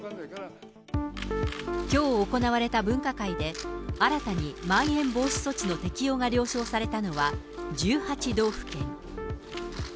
きょう行われた分科会で、新たにまん延防止措置の適用が了承されたのは１８道府県。